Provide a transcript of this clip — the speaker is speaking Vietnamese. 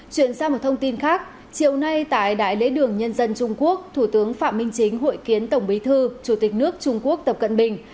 chuyển sang một thông tin khác chiều nay tại đại lễ đường nhân dân trung quốc thủ tướng phạm minh chính hội kiến tổng bí thư chủ tịch nước trung quốc tập cận bình